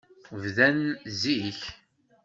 Bdan zik.